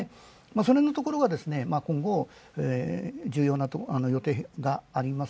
そのへんのところが今後、重要な予定があります。